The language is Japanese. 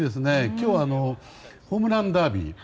今日はホームランダービー。